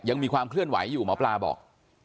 ยังมีความเคลื่อนไหวอยู่หมอปลาบอก